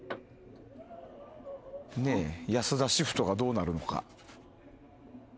安田シフトがどうなるのか。